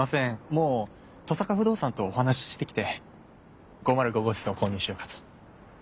もう登坂不動産とお話ししてきて５０５号室を購入しようかと。